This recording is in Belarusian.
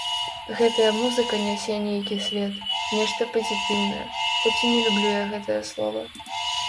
Гэтая музыка нясе нейкі свет, нешта пазітыўнае, хоць і не люблю я гэтае слова.